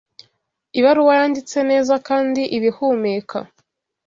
Ibaruwa yanditse neza kandi iba ihumeka